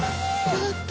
やった！